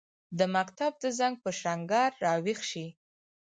د مکتب د زنګ، په شرنګهار راویښ شي